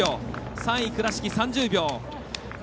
３位、倉敷３０秒。